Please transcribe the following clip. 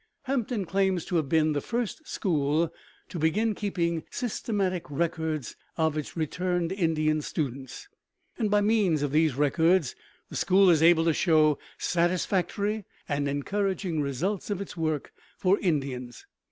Hampton claims to have been the first school to begin keeping systematic records of its returned Indian students, and by means of these records the school is able to show satisfactory and encouraging results of its work for Indians.